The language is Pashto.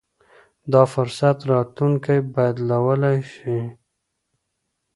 دا فرصت راتلونکی بدلولای شي.